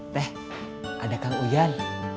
teh adakah uyan